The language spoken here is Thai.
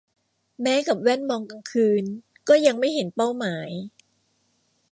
แม้กับแว่นมองกลางคืน ก็ยังไม่เห็นเป้าหมาย